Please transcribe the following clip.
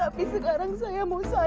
tapi sekarang saya mau sadar pak rt